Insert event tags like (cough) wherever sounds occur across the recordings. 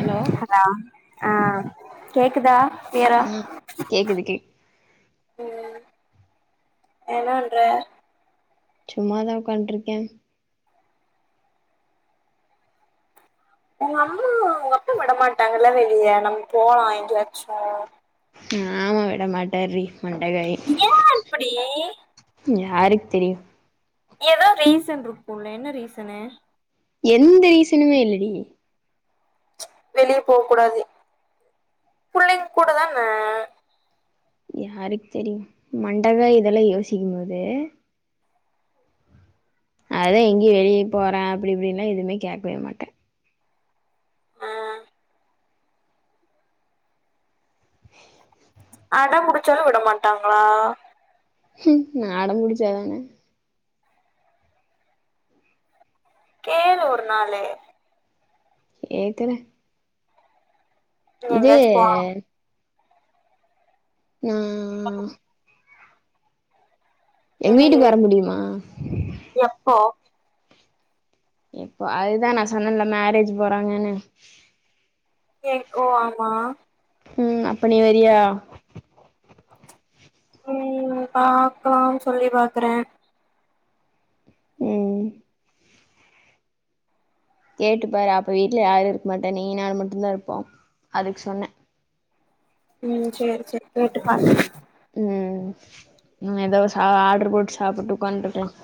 Alloy ஆ ஆ கேக்குதா கிளியரா ம் கேக்குது கே ம் என்ன பன்ற சும்மாதான் உக்காண்ட்ருக்கேன் உங்க அம்மா உங்க அப்பா விட மாட்டாங்கல்ல வெளிய நம்ம போலா எங்கயாச்சும் ஆமா விட மாட்டாறி மண்டகாயும் ஏ இப்டி யாருக்கு தெரியும் ஏதோ ரீசன் இருக்குல என்ன ரீசனு எந்த ரீசனுமே இல்லடி வெளியே போக் கூடாது புள்ளைங்க கூட தான யாருக்கு தெரியு மண்டகாயு இதெல்லா யோசிக்கும் போது அதான் எங்கயு வெளியே போறேன் அப்டி இப்டின்லா எதுமே கேக்கவே மாட்டேன் ஆ அடம் புடிச்சாலு விடமாட்டாங்ளா ம்கு நா அடம் புடிச்சாதான கேளு ஒரு நாளு கேக்குறே இது எங்கயாச்சு போலா ம் எங்க என்னது வீட்டுக்கு வர முடியுமா எப்போ இப்போ அதுதா நா சொன்னன்ல மேரேஜ் போறாங்கன்னு ஓ ஆமா உம் அப்ப நீ வர்றியா உஹம் பாக்கலாம் சொல்லி பாக்குறே உம் கேட்டுப்பாரு அப்ப வீட்டுல யாரு இருக்க மாட்டாங்க நீயி நா மட்டு தா இருப்போ அதுக்கு சொன்ன உம் செரி செரி கேட்டு பாக்கறே உஹம் ந ஏதாசு ஆர்டரு போட்டு சாப்பிட்டு உக்காந்துட்டுருக்கலா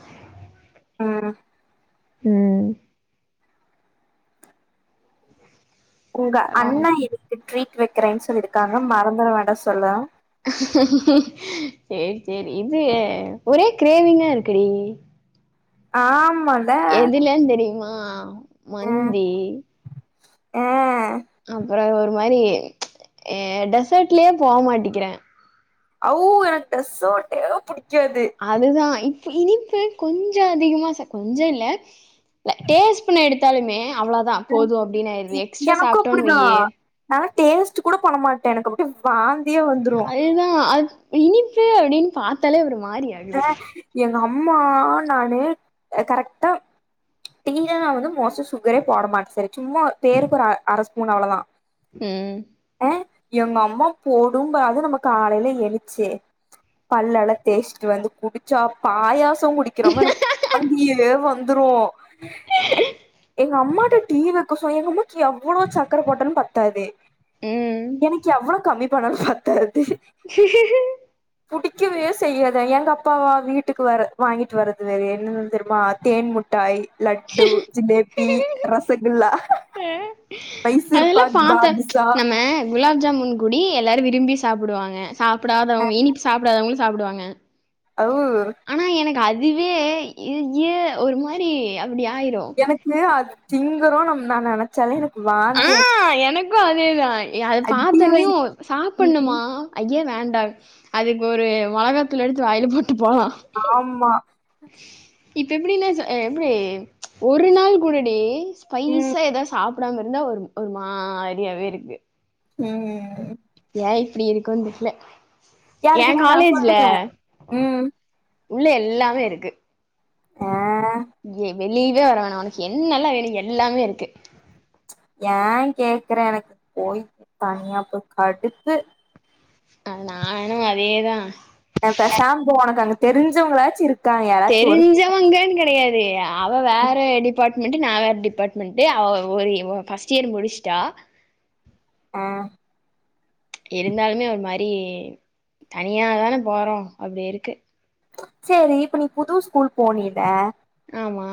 உம் உம் உங்க பரவால்ல அண்ணா இருக்கு ட்ரீட் வெக்கிறேன்னு சொல்லியிருக்காங்க மறந்துட வேண்டா சொல்லு செரி செரி இது ஒரே கிரேவிங்கா இருக்குடி ஆம் எதுலேன்னு தெரியுமா ஆஹ மந்தி ஆஹ் அப்புற ஒரு இந்த மாரி் அ டெசர்ட்லயே போக மாட்டிக்கிறே அவ் எனக்கு டேசாட்டே புடிக் அதுதா இனிப்பு கொஞ்சோ அதிகமா சேக் கொஞ்சோ இல்லே டேஸ்ட் பண்ண எடுத்தாலுமே அவ்ள தா ம் போது அப்டின்னு இ ஆயிடுது எக்ஸ்ட்ரா எனக்கு சாப்பிட்டோம்ன்னு அப்டிதா வையே நாலா டேஸ்ட் கூட பண்ண மாட்டேன் எனக்கு அப்டியே வாந் அது தா அது இனிப்பு அப்டின்னு பாத்தாலே ஒரு மாரி அ (unintelligible) எங்க அம்மா நானு கரெக்டா டீ ல நா வந்து மோஸ்ட்லி சுகரே போட மாட்ட செரி சும்மா பேருக்கு ஒரு அ அரை ஸ்பூன் அவ்வளவுதா உஹம் எங்க அம்மா போடும் ப அதா நமக்கு காலையில எழுச்சு பல்லெல்லாதேச்சு வந்து குடிச்சா பாயாசம் த்தோ குடிக்கிறோமோ எனக் வாந்தியே வந்து வந்துரு எங்க அம்மாகிட்ட டீ வெக்க சொல்லி எங்க அம்மாக்கு எவ்ளோ சர்க்கர போட்டாலும் பத்தாது ம். எனக்கு எவ்வளவு கம்மி பணம் பத்தா புடிக்கவே செய்யா வெ எங்க அப்பாவா வீட்டுக்கு வர வாங்கிட்டு வர்றது வேற என்னென்னனு தெரியுமா தேன் முட்டாயி லட்டு ஜிலேப் பி ரசகுல்லா மே அதெல்லா மைசூர்பாக் பாத்தே பாதுஷா நம்ம குலாப் ஜாமுன் குடி எல்லாரு விரும்பி சாப்டுவாங்க சாப்டாதவங்க இனிப்பு சாப்டாதவங்களுக்கு சாப்டுவாங்க ஓ அதுவே இ ஜீய ஒரு மாரி அப்டி ஆயிரும். எனக்கு அது திங் எதோ ஒன்னுதா நெனைச்சே எனக் வாந்தி கு அதே தான் எ அத அடி பாத்தோன்யு வாங்கிருக்கே சாப்டணுமா ஐயோ வே காண்டாகு அதுக்கு ஒரு மொளகா வத்தல எடுத்து வாயில போட் டுட்டா ஆமா இப்ப எப்டினா எப்டி ஒரு நாள் கூடடி ம் ஸ்பைஸா எதா சாப் ப்டாம இருந்தா ஒரு ஒரு மாரியாவே இருக்கு உம் உம் ஏ இப்டி இருக்கோன் தெர்ல யாரு என் கிட்ட நா காலேஜ்ல சொல்லுங்க உம் உள்ள எல்லாமே இருக்கு ஆ எ வெளியவே வர வேணா உனக்கு என்னல்லா வேனு எல்லாமே இருக்கு ஏ கேக்ற எனக்கு போய் தனியா போய் கடுத்து அ நானு அதேதா நா பேசாம போ உனக்கு அங்க தெரிஞ்சவங்களாச்சு இருக் தெரிஞ்சவங்கன் கெடையாது (unintelligible) அவ வேற டிப்பாட் மெண்ட்டு ந வேற டிபார்ட்மெண்ட் டு அவ ஒரு பர்ஸ்ட் இயர் முடிச்ட்டா ஆஹ் இருந்தாலுமே ஒரு மாதிரி தனியாதானே போறோம் அப்படி இருக்கு சரி இப்ப நீ புது ஸ்கூல் போனில ஆமா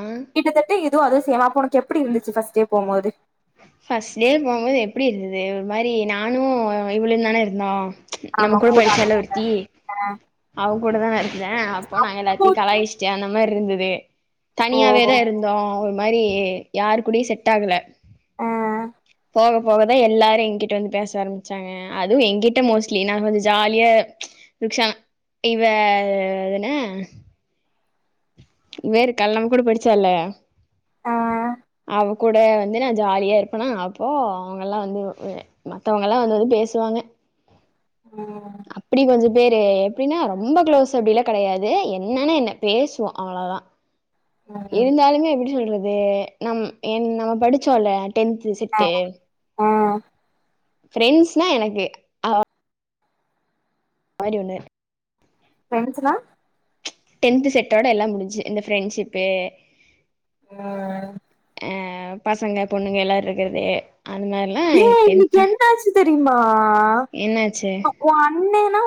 இது அது சேமா உனக்கு எப்படி இருந்துச்சு பஃர்ஸ்ட் டே போ போது பஃபர்ஸ்ட் டே போம்போது எப்படி இருந்தது ஒரு மாதிரி நானும் இவ்ளு தானே இருந்தோ நம்ம கூட படிச்சால்ல ஒருத்தி ஆ அவங்கூட தான் நா இருப் ஏன் அப்போ நா எல்லாத்தையு கலாய்ச்சிட்டியானா இம்மார் இருந்தது தனியாவே ஓ தான் இருந்தோம் அ மாதிரி யாரு கூட செட் ஆகல ஆ போக போகதான் எல்லாரும் என்கிட்ட வந்து பேச ஆரம்பிச்சாங்க அதுவும் என்கிட்ட மோஸ்ட்லி நான் கொஞ்ச ஜாலியா ன் ச்சா இவ எதுனா வேரு கல்லம் கூட படிச்சால்ல ஆ அவ கூட வந்து நான் ஜாலியா இருப்பனா அப்போ அவங்கல்லாம் வந்து மத்தவங்கல்லாம் வந்து வந்து பேசுவாங்க ம் அப்படி கொஞ்சம் வேரு எப்படின்னா ரொம்ப க்ளோஸ் அப்படிலாம் கிடையாது என்னன்னு என்ன பேசுவோம் அவ்ளவுதான் ம் இருந்தாலுமே எப்படி சொல்றது அது நம் என் நம்ம படிச்சோம்ல டென்த் செட்டு ஆஹ் பிரெண்ட்ஸ்னா எனக்கு மாரி ஒண்ணு பிரெண்ட்ஸ்னா டென்த் செட்டோட எல்லாம் முடிஞ்ச்சு இந்த பிரெண்ட்ஷிப்பு உம் ஆஹ் பசங்க பொண்ணுங்க எல்லார் இருக்கறது அந்த மாதிரிலாம் டென்த் தா தெமா ஆஹ் ஒன் அண்ணேன்னா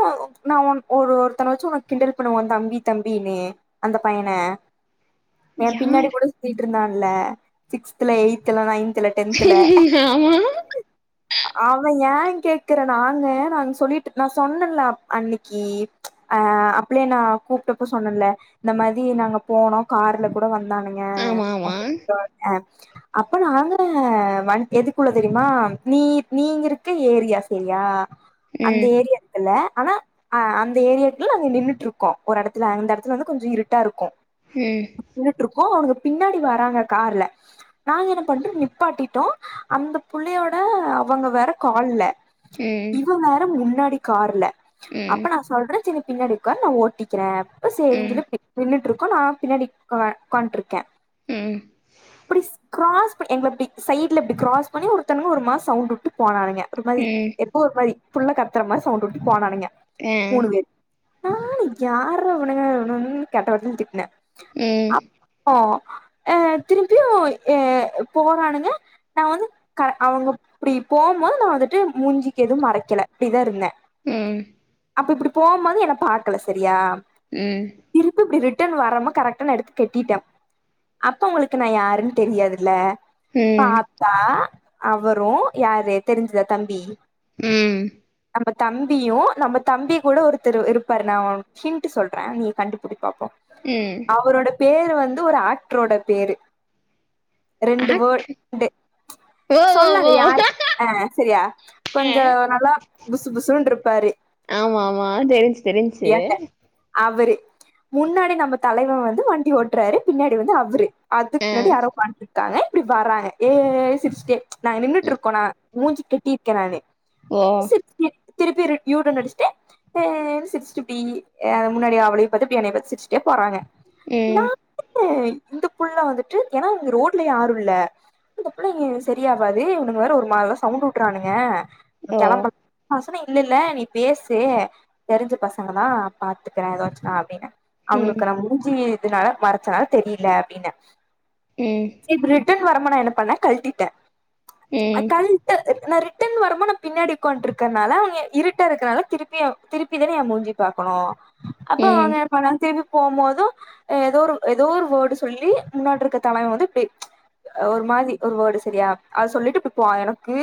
நான் உன் ஒரு ஒருத்தனை வச்சு உன கிண்டல் பண்ணுவன் அந்த தம்பி தம்பினு அந்த பையன ஏன் பின்னாடி யாரு கூட சுத்திட்டு இருந்தான்ல சிக்ஸ்த்ல எய்த்ல நைன்த் ஆமா அத ஏ கேக்குற நாங்க நாங்க சொல்லிட்டு நா சொன்னன்ல அன்னைக்கு ஆஹ் அப்படியே நா கூப்ட்டப்போ சொன்னன்ல இந்த மாதிரி நாங்க போனோ கார்ல கூட வந் ந்தானுங்க ஆமா ஆமா அப்ப நாங்க வண் எதுக்குள்ள தெரியுமா நீ நீங்க இருக்க ஏரியா சரியா அந்த ம் ஏரியாத்துல ஆனா அ அந்த ஏரியாக்குள்ள நாங்க நின்னுட்டு இருக்கோ ஒரு எடத்துல அந்த எடத்துல வந்து கொஞ்ச இருட்டா இருக்கு ம் நின்னுட்டு இருக்கோ அவுனுக பின்னாடி வராங்க கார்ல நாங்க என்ன பண்றோ நிப்பாட்டிட்டோ அந்த புள்ளையோட அவங்க வேற கால்ல ம் இவ வேற முன்னா டி கார்ல ம் அப்ப நா சொல்றே செரி நீ பின்னாடி உக்கார் நா ஓட்டிக்கிறே அப்ப ம் செரின் பின் நின்னுட்டு இருக் கோ நா பின்னாடி உக்கா உக்கான்ட்ருக்கே ம் அப்டிஸ் கிராஸ் எங்கள இப்டி சைட்ல இப்டி கிராஸ் பண்ணி ஒருத்தனுங்க ஒரு மார் சவுண்ட் வுட்டு போனானுங்க ஒருமாரி ம் எப்போ ஒருமாரி புள்ள கத்தரமாரி சவுண்ட் வுட்டு போனானுங்க ஆஹ் மூணு பேரு நானு யார்ரா இவுனுக நானு கெட்ட வார்த்தைல திட்னே ம் அப்போ அஹ் திரும்பியும் அஹ் போறானுங்க நா வந்து கா அவங்க இப்டி போவும்போது நா வந்துட்டு மூஞ்சிக்கு எதும் மறைக்கல இப்டிதா இருந்தே ம் அப்ப இப்பிடி போவும்போது என்ன பாக்கல சரியா ம் ட்டன் வரம்ப கரெக்டா நா எடுத்து கட்டிட்டே, அப்ப உங்களுக்கு நா யாருன்னு தெரியாதுல்ல ம் பாத்தா அவரும் யாரு தெரிஞ்சுதா தம்பி ம் தம்பத் தம்பியும் நம்ம தம்பி கூட ஒருத்தர் இருப்பாரு நா உனக் ஹின்ட் சொல்றே நீ கண்டுபுடி பாப்போ ம் அவரோட பேர் வந் வந்து ஒரு ஆக்ட்ரோட பேரு ரெண்டு ஆக்ட் வேர்ட் உண்டு ஓ ஓ சொல்லாத ஓ யாரு ஆஹ் செரியா ஆ கொஞ்சம் நல்லா புசு புசுன்ன இருப்பாரு ஆமா ஆமா தெரிஞ்ச்சு தெரிஞ்ச்சு யான்ன அவரு முன்னாடி நம்ம தலைவன் வந்து வண்டி ஓட்டுறாரு பின்னாடி வந்து அவரு அதுக்கு ஆ முன்னாடி யாரோ உக்கான்ட்டுருக் இருக்காங்க இப்படி வராங்க ஏய் சிருச்சுட்டே நாங்க ஆ. நின்னுட்டு இருக்கோனா மூஞ்சு கட்டியிருக்கே நானு ஓ சிரிச்சுட்டே திருப்பி ரிட் யூடன் அடிச்சிட்டு ஹனு சிரிச்சிட்டு இப்டி ஆ முன்னாடி ஆவளையும் பாத்து பின் என்னனயும் பாத்து சிரிச்சுட்டெ போறாங்க ம் நானு இந்த புள்ள வந்துட்டு ஏனா அங்க ரோட்ல யாரும் இல்ல இந்த புள்ளங்க (unintelligible) ஆவாது இவனுங்க வேற ஒரு மாரி சவுண்ட் உட்றானுங்க ஓ கிளம்ப (unintelligible) இல்ல இல்ல நீ பேசு தெரிஞ்ச பசங்க தான் பாத்துக்கறேன் ஏதாச்சு நான் அப்படின்னே ம் அவுங்குளுக்கு நா முஞ்சி அதனால மறைச்சா தெரியல அப்படின்னே ம் சே இப்ப ரிட்டன் வருமன என்ன பண்ண கல்ட்டிடேன் ம் அக் கல்ட்டு நான் ரிட்டன் வரும்மோ நான் பின்னாடி ஒக்கான்டிருக்கனால இருக்கறனால அவங்க இருட்ட இருக்கனால திருப்பி திருப்பி தானே என் மூஞ்சி பாக்கணு அப்போ ம் (unintelligible) பண்ண திருப்பிப் போம்போதும் ஏதோ ஒரு ஏதோ ஒரு வேர்டு சொல்லி முன்னாடியிருக்குற தலைவ வந்து இப்படி ஒரு மாதிரி ஒரு வேர்டு சேரியா அத சொல்லிட்டு இப்புடிப் போயே எனக்கு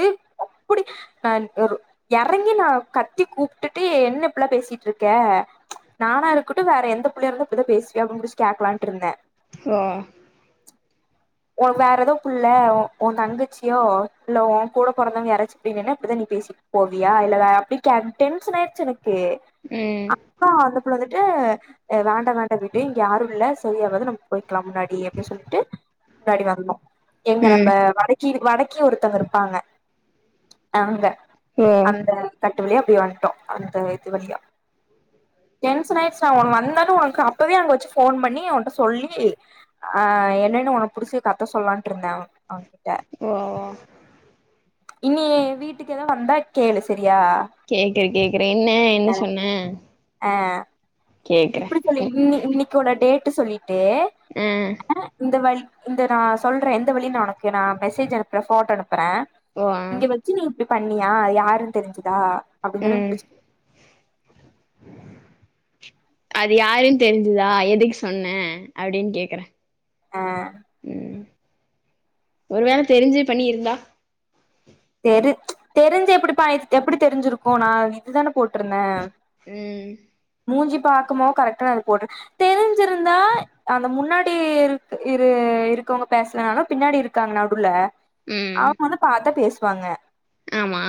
அப்படி நான் ஒரு எறங்கி நான் கத்தி கூப்பிட்டுட்டு என்ன இப்படிலா பேசிட்டு இருக்கே நானா இருக்கிட்டு வேற எந்த புள்ளைய இருந்த இப்படிதான் பேசுவிய அப்படின்னு புடிச்சு கேக்கலான்ட்டு இருந்தேன் ஹோ உன் வேற ஏதோ புள்ள உன் தங்கச் சியோ உன் கூட பொறந்தவங்க யாராச்சு இப்படி நின்னா நீ இப்படித்தான் நீ பேசிட்டு போவியா இல்ல அப்படி கேடன் டென்ஷன் ஆயிருச்சு எனக்கு கு ம் அப்ப அந்த புள்ள (unintelligible) டு வேண்டா வேண்டா விடு இங்க யாரு இல்ல செரி ஆவாது நம் (unintelligible) போய்க்கலாம் முன்னாடி அப்படின்னு சொல்லிட்டு முன்னாடி வந்தோம் எங்க நம்ம ம் (unintelligible) கி வடக்கி ஒருத்தவங்க இருப்பாங்க அங்க ஓ அந்த ஓ கட் அப்படிய வன்டோ அந்த இது வழியா டென்ஷன் ஆயிடுச்சு அவன் வந்தது உனக்கு அப்பவே அங்க வெச்சு போன் பண்ணி உன்ட சொல்லி அஹ் என்னன்னு உனக்கு புடிச்சி கத்த சொல்லான்ட்டு இருந்தேன் அவ அவன்கிட்ட ஓ இனி வீட்டுக்கு ஏதோ வந்தா கேளு சேரி கேக்குறேன் கேக்குறேன் என்ன என்ன சொன்னே ஆ இப்படி சொல்லி இன்னி இன்னைக்கோட டேட் சொல்லிட்டு அஹ் ஆ இந்த வழி இந்த நான் சொல்ற எந்த வழின்னு நான் உனக்கு மெசேஜ் அனுப்புறன் போட்டோ அனுப் றேன் ஓ ஆ இங்க வச்சு நீ இப்படி பண்ணியா அது யாருன்னு தெரிஞ்சுதா ம் (unintelligible) அது யாருன்னு தெரிஞ்சுதா எதுக்கு சொன்னேன் அப்படின்னு கேக்குறேன் ஆ ஒருவேள தெரிஞ்சே பண்ணி இருந்தா தெரி ச் தெரிஞ்சு எப்படி ப எப்படி தெரிஞ்சிருக்கு நான் இதுதானே போட்டிருந்தேன் உம் மூஞ்சி பாகமொ கரெக்ட்டா போட் தெரிஞ்சிருந்தா அந்த முன்னாடி இரு இருக்கவங்க பேசலனாலும் பின்னாடி இருக்காங்க நடுல ம் அவ வந்து பத்தா பேசு ப்பாங்க ஆமா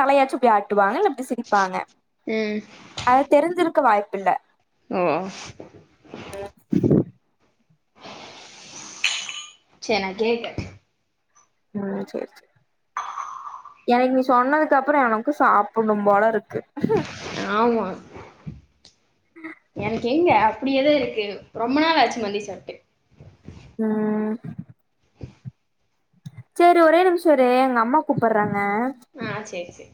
தலையாச்சி இப்படி ஆட்டுவாங்க சிரிப்பாங்க ம் அத தெரிஞ்சிருப் க்க வாய்ப்பு இல்ல உஹ் செரி நான் கேட்ட உம் செரி செரி எனக்கு நீ சொன்னதுக்கு அப்புறம் எனக்கு சாப்பிடும் போல இருக்கு ஆமா எனக்கு எங்க அப்படியேத இருக்கு ரொம்ப நாள் ஆச்சு மந்தி சாப்ட்டு ம் செரி ஒரே நிமிஷம் இரே எங்க அம்மா கூப்பிடடுறாங்க ஆஹ் செரி செரி